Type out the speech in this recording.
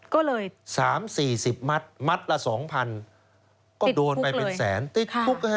ก็เลย๓๔๐มัตต์มัดละ๒๐๐๐ก็โดนไปเป็นแสนติดคุก